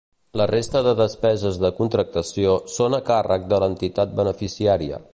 La resta de despeses de contractació són a càrrec de l'entitat beneficiària.